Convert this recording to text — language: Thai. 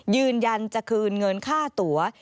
ยืนยันจะคืนเงินค่าตัว